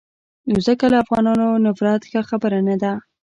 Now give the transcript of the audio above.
نو ځکه له افغانانو نفرت ښه خبره نه ده.